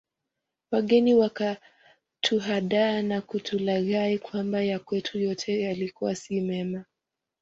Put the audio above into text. Wageni wakatuhadaa na kutulaghai kwamba ya kwetu yote yalikuwa si mema